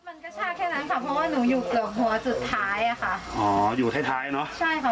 บ่อยมากค่ะเพราะว่าใช้รถไฟตลอดค่ะ